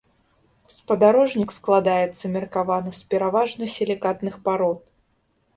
Спадарожнік складаецца меркавана з пераважна сілікатных парод.